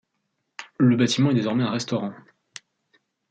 Le bâtiment est désormais un restaurant.